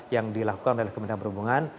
yang dilakukan oleh kementerian perhubungan